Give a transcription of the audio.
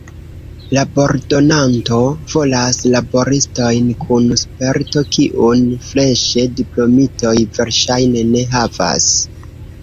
Labordonanto volas laboristojn kun sperto, kiun freŝe diplomitoj verŝajne ne havas.